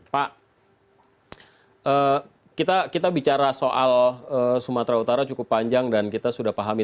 pak kita bicara soal sumatera utara cukup panjang dan kita sudah pahami